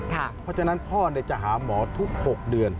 เพราะฉะนั้นพ่อจะหาหมอทุก๖เดือน